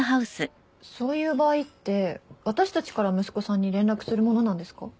そういう場合って私たちから息子さんに連絡するものなんですか？